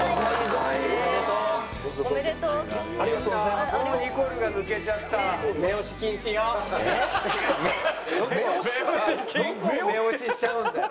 どこを目押ししちゃうんだよ。